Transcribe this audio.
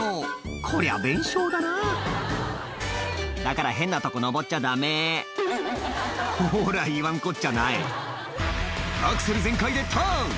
こりゃ弁償だなだから変なとこ上っちゃダメほら言わんこっちゃない「アクセル全開でターン！